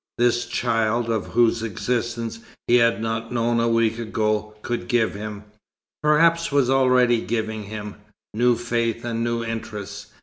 This child, of whose existence he had not known a week ago, could give him perhaps was already giving him new faith and new interests.